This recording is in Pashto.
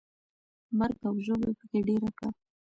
مرګ او ژوبله پکې ډېره کړه.